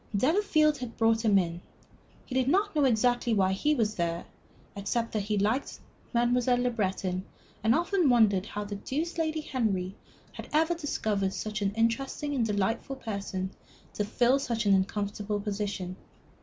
Delafield had brought him in; he did not exactly know why he was there, except that he liked Mademoiselle Le Breton, and often wondered how the deuce Lady Henry had ever discovered such an interesting and delightful person to fill such an uncomfortable position.